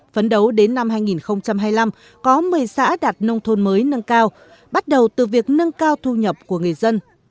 phấn đấu đến năm hai nghìn hai mươi năm có một mươi xã đạt nông thôn mới nâng cao bắt đầu từ việc nâng cao thu nhập của người dân